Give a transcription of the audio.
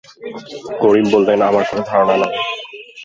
করিম বললেন, আমার কোনো ধারণা নেই।